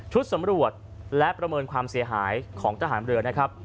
ชุดสำรวจและประเมินความเสียหายของทหารเรือ